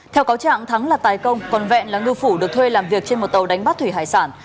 theo cáo trạng thắng là tài công còn vẹn là ngư phủ được thuê làm việc trên một tàu đánh bắt thủy hải sản